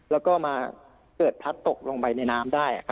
แล้วก็มาเกิดพลัดตกลงไปในน้ำได้